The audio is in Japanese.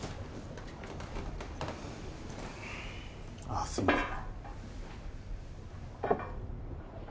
あっすいません。